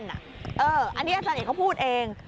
อันนี้อาจารย์เอกเขาพูดเอง